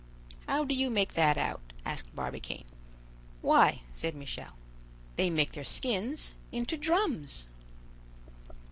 "How do you make that out?" asked Barbicane. "Why," said Michel, "they make their skins into drums."